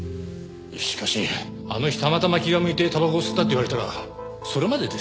しかしあの日たまたま気が向いてたばこを吸ったって言われたらそれまでですよ。